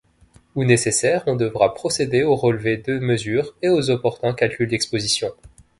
Où nécessaire on devra procéder au relevé de mesures et aux opportuns calculs d'exposition.